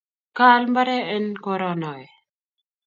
kaal mbaree en koronoe